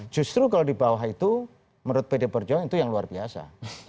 justru kalau di bawah itu menurut pd perjuangan itu yang luar biasa